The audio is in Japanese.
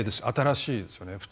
新しいですよね。